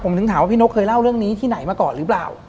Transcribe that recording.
ผมถึงถามว่าพี่นกเคยเล่าเรื่องนี้ที่ไหนมาก่อนหรือเปล่า